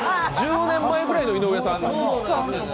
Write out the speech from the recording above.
１０年前ぐらいの井上さんでしたね。